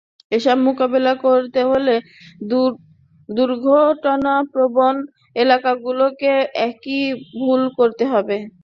এসব মোকাবিলা করতে হলে দুর্ঘটনাপ্রবণ এলাকাগুলোকে একীভূত করতে হবে।